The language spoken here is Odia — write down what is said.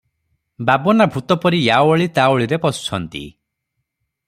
ବାବନାଭୂତ ପରି ୟା ଓଳି ତା ଓଳିରେ ପଶୁଛନ୍ତି ।